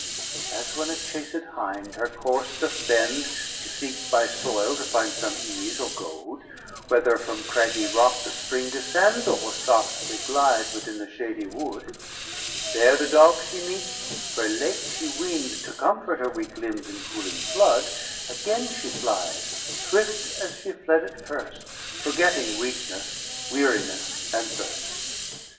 CIX As when a chased hind her course doth bend To seek by soil to find some ease or goad; Whether from craggy rock the spring descend, Or softly glide within the shady wood; If there the dogs she meet, where late she wend To comfort her weak limbs in cooling flood, Again she flies swift as she fled at first, Forgetting weakness, weariness and thirst.